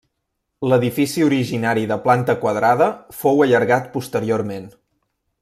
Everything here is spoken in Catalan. L'edifici originari de planta quadrada fou allargat posteriorment.